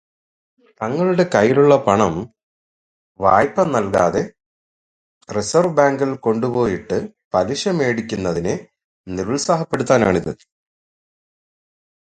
തങ്ങളുടെ കൈയ്യിലുള്ള പണം വായ്പ നൽകാതെ റിസർവ്വ് ബാങ്കിൽ കൊണ്ടുപോയി ഇട്ട് പലിശ മേടിക്കുന്നതിനെ നിരുത്സാഹപ്പെടുത്താനാണിത്.